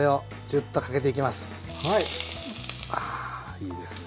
あいいですね。